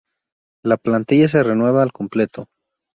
La plantilla se renueva al completo.